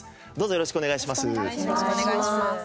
よろしくお願いします。